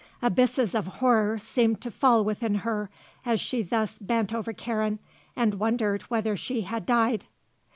Abysses of horror seemed to fall within her as she thus bent over Karen and wondered whether she had died.